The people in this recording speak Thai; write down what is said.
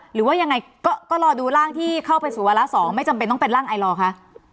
หรือว่ายังไงก็รอดูร่างที่เข้าไปสู่วาระ๒ไม่จำเป็นต้องเป็นร่างไอลอร์คะ